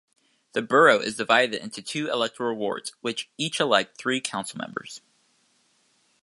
The borough is divided into two electoral wards which each elect three council members.